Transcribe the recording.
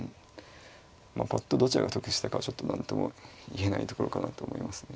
まあぱっとどちらが得したかはちょっと何とも言えないところかなと思いますね。